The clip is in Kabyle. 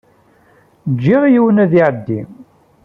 Jjiɣ yiwen ad iɛeddi.